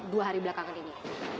dua hari belakangan ini